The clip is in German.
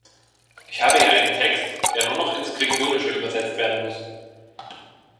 Ich habe hier einen Text, der nur noch ins Klingonische übersetzt werden muss.